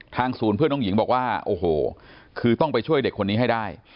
ศูนย์เพื่อนน้องหญิงบอกว่าโอ้โหคือต้องไปช่วยเด็กคนนี้ให้ได้